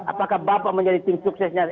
apakah bapak menjadi tim suksesnya